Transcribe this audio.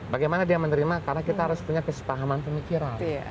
bagaimana dia menerima karena kita harus punya kesepahaman pemikiran